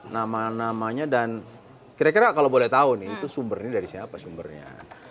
nama namanya dan kira kira kalau boleh tahu nih itu sumbernya dari siapa sumbernya